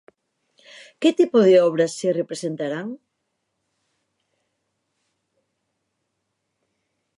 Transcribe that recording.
Que tipo de obras se representarán?